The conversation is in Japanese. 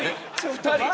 ２人。